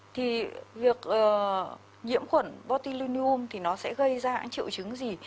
thì việc nhiễm khuẩn botulinium thì nó sẽ gây ra triệu chứng gì